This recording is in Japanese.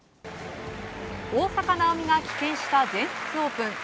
大坂なおみが棄権した全仏オープン。